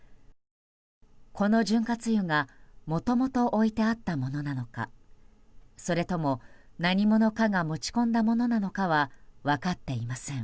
この潤滑油がもともと置いてあったものなのかそれとも何者かが持ち込んだものなのかは分かっていません。